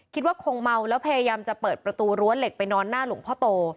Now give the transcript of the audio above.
คิดว่าคงเมาแล้วพยายามจะเปิดประตูรั้วเหล็กไปนอนหน้าหลวงพ่อโต